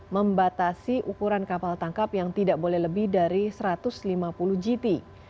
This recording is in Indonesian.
membatasi ukuran kapal tangkap yang tidak boleh lebih dari satu ratus lima puluh gt